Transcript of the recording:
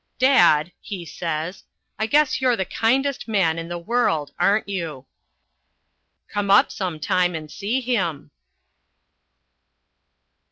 "Dad," he says, "I guess you're the kindest man in the world, aren't you?" Come up some time and see him.